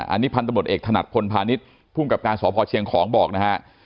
อันนี้พันธบทเอกถนัดพลพาณิชย์ภูมิกับการสพเชียงของบอกนะฮะ